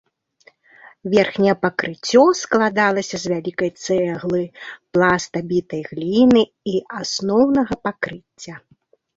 Верхняе пакрыццё складалася з вялікай цэглы, пласта бітай гліны і асноўнага пакрыцця.